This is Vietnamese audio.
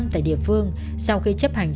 tại địa phương sau khi chấp hành